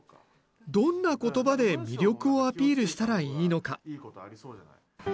どんな言葉で魅力をアピールしたらいいのか。